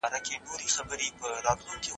محصن زاني باید سنګسار سي.